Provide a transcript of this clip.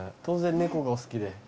当然猫がお好きで？